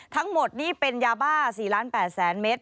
ทั้งหมดนี่เป็นยาบ้า๔๘๐๐๐เมตร